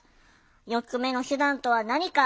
４つ目の手段とは何か？